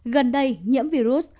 gần đây nhiễm virus